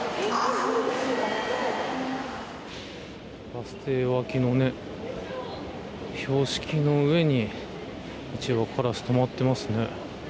バス停脇の標識の上に１羽カラス止まっていますね。